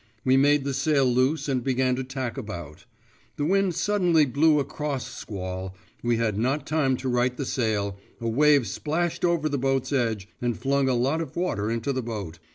We made the sail loose and began to tack about. The wind suddenly blew a cross squall, we had not time to right the sail, a wave splashed over the boat's edge and flung a lot of water into the boat.